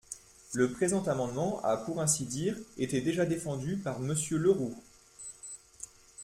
Le présent amendement a pour ainsi dire été déjà défendu par Monsieur Le Roux.